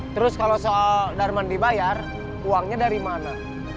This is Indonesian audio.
terus kalau soal darman dibayar uangnya dari mana